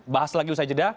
bahas lagi usai jeda